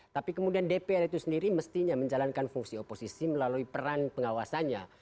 tapi kemudian dpr itu sendiri mestinya menjalankan fungsi oposisi melalui peran pengawasannya